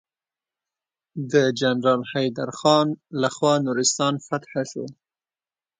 د جنرال حيدر خان لخوا نورستان فتحه شو.